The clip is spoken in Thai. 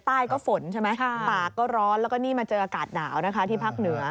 ใต้ก็ฝนใช่ไหมปากก็ร้อนแล้วก็นี่มาเจออากาศหนาวนะคะที่ภาคเหนือ